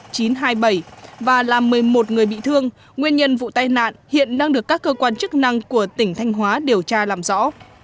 trong lúc chín h hai mươi bảy và làm một mươi một người bị thương nguyên nhân vụ tai nạn hiện đang được các cơ quan chức năng của tỉnh thanh hóa điều tra làm rõ